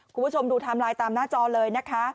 คุณผู้ชมดูไทม์ไลน์ตามหน้าจอเลยนะคะ